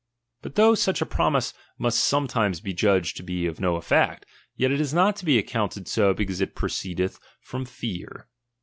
But though such a promise must sometimes be judged to be of no effect, yet it is not to be accounted so because it proceedeth from fear.